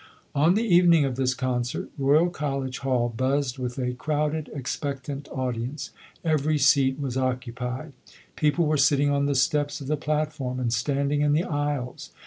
On the evening of this concert, Royal College Hall buzzed with a crowded, expectant audience. Every seat was occupied. People were sitting on the steps of the platform and standing in the aisles.